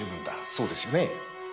そうですよね？